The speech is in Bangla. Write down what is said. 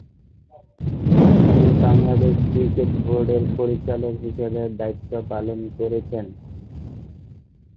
তিনি বাংলাদেশ ক্রিকেট বোর্ডের পরিচালক হিসেবে দায়িত্ব পালন করেছেন।